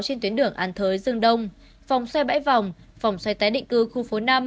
trên tuyến đường an thới dương đông phòng xoay bãi vòng phòng xoay tái định cư khu phố năm